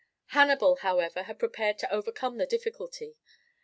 Hannibal, however, had prepared to overcome the difficulty.